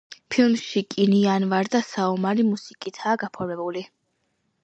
ფილმი „კინიარვანდა“ საომარი მუსიკითაა გაფორმებული.